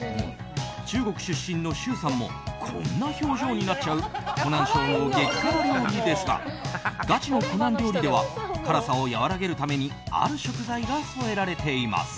中国出身の周さんもこんな表情になっちゃう湖南省の激辛料理ですがガチの湖南料理では辛さを和らげるためにある食材が添えられています。